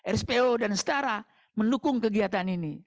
rspo dan setara mendukung kegiatan ini